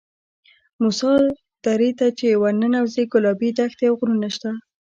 موسی درې ته چې ورننوځې ګلابي دښتې او غرونه شته.